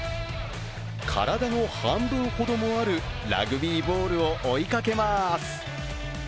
体の半分ほどもあるラグビーボールを追いかけます。